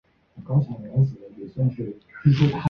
它是仅此于康卡斯特的美国第二大有线电视运营商。